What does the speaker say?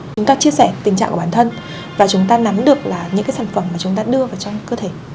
chúng ta chia sẻ tình trạng của bản thân và chúng ta nắm được là những cái sản phẩm mà chúng ta đưa vào trong cơ thể